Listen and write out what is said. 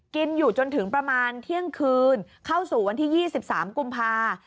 กินอยู่จนถึงประมาณเที่ยงคืนเข้าสู่วันที่๒๓กุมภา